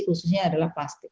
khususnya adalah plastik